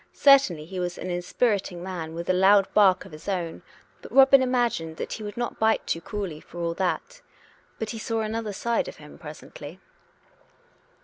Certainly he was an inspiriting man with a loud bark of his own; but Robin imagined that he would not bite too cruelly for all that. But he saw another side of him presently.